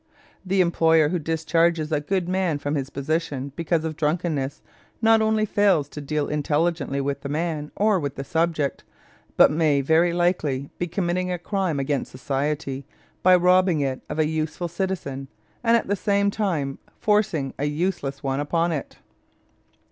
The employer who discharges a good man from his position because of drunkenness not only fails to deal intelligently with the man or with the subject, but may very likely be committing a crime against society by robbing it of a useful citizen and at the same time forcing a useless one upon it.